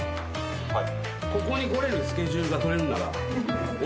はい。